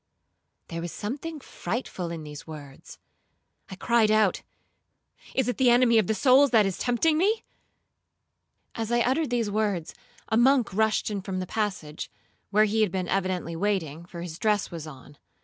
'—There was something frightful in these words. I cried out, 'Is it the enemy of souls that is tempting me?' As I uttered these words, a monk rushed in from the passage, (where he had been evidently waiting, for his dress was on).